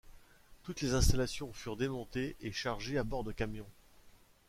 Toutes les installations furent démontées et chargées à bord de camions.